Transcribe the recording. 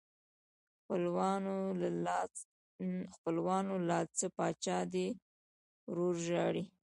خپلوانو لا څه پاچا دې ورور ژاړي.